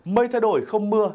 mây thay đổi không mưa